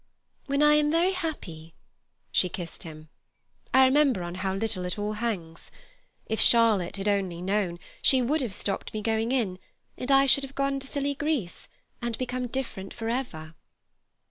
When I am very happy"—she kissed him—"I remember on how little it all hangs. If Charlotte had only known, she would have stopped me going in, and I should have gone to silly Greece, and become different for ever."